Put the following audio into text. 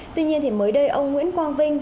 tuy nhiên thì mới đây ông nguyễn quang vinh